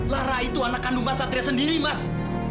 lara itu anak kandung mas satria sendiri mas